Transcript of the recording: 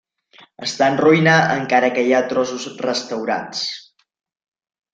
Està en ruïna encara que hi ha trossos restaurats.